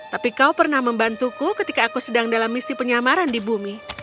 tapi kau pernah membantuku ketika aku sedang dalam misi penyamaran di bumi